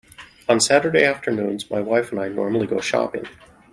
On Saturday afternoons my wife and I normally go shopping